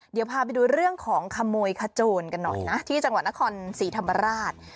เดี๋ยวพาไปดูเรื่องของขโมยขโจนกันหน่อยนะที่จังหวัดนครศรีธรรมราช